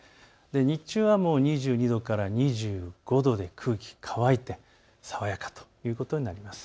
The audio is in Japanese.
日中は２２度から２５度で空気乾いて爽やかということになります。